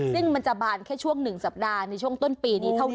ซึ่งมันจะบานแค่ช่วง๑สัปดาห์ในช่วงต้นปีนี้เท่านั้น